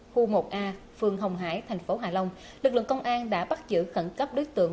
khu một a phường hồng hải thành phố hạ long lực lượng công an đã bắt giữ khẩn cấp đối tượng